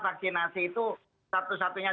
vaksinasi itu satu satunya